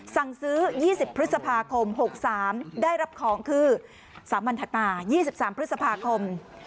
สั่งซื้อ๒๐พฤษภาคม๖๓ได้รับของคือ๓วันถัดมา๒๓พฤษภาคม